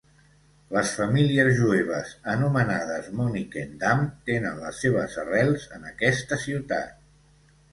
Les famílies jueves anomenades Monnikendam tenen les seves arrels en aquesta ciutat.